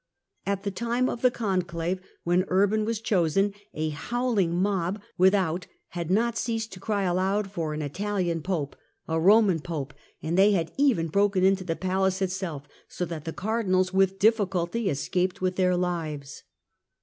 At the time of the Conclave when Urban was chosen, a howling mob without had not ceased to cry aloud for an Italian Pope !— a Roman Pope ! and they had even broken into the palace itself, so that the Car dinals with difficulty escaped with their lives.